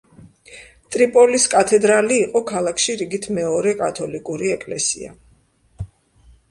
ტრიპოლის კათედრალი იყო ქალაქში რიგით მეორე კათოლიკური ეკლესია.